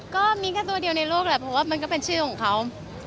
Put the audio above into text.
ก็มีแค่ตัวเดียวในโลกแหละเพราะว่ามันก็เป็นชื่อของเขา